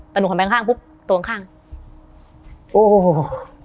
แต่หนูขันแปลงข้างปุ๊บตัวข้างโอ้โหโอ้โห